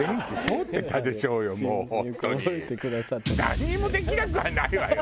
なんにもできなくはないわよ！